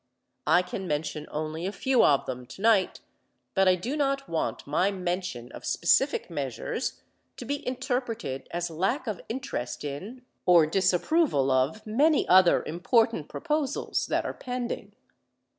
I can mention only a few of them tonight, but I do not want my mention of specific measures to be interpreted as lack of interest in or disapproval of many other important proposals that are pending.